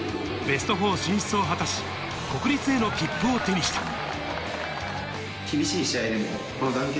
ベスト４進出を果たし、国立への切符を手にした。